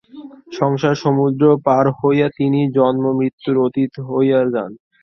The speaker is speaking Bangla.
সংসার-সমুদ্র পার হইয়া তিনি জন্মমৃত্যুর অতীত হইয়া যান।